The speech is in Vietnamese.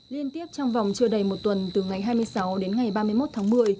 liên tiếp trong vòng chưa đầy một tuần từ ngày hai mươi sáu đến ngày ba mươi một tháng một mươi